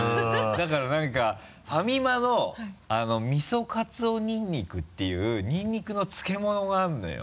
だから何かファミマの「みそかつおにんにく」っていうニンニクの漬物があるのよ。